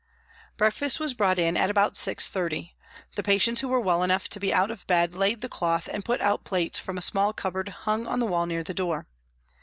Breakfast was brought in at about 6.30. The patients who were well enough to be out of bed laid the cloth and put out plates from a small cupboard hung on the wall near the door.